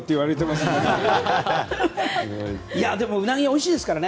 まあウナギはおいしいですから！